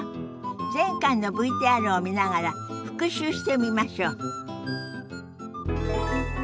前回のＶＴＲを見ながら復習してみましょう。